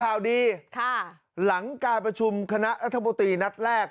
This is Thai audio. ข่าวดีค่ะหลังการประชุมคณะรัฐมนตรีนัดแรก